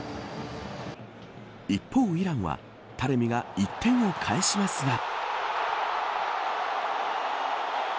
一方、イランはタレミが１点を返しますが。